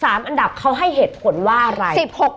อันดับเขาให้เหตุผลว่าอะไร